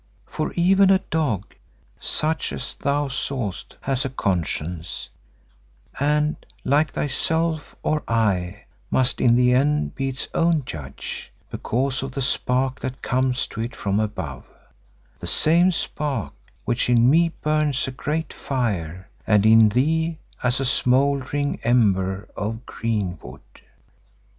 For even a dog such as thou sawest has a conscience and—like thyself or I—must in the end be its own judge, because of the spark that comes to it from above, the same spark which in me burns as a great fire, and in thee as a smouldering ember of green wood."